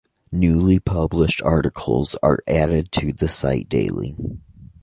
Newly published articles are added to the site daily.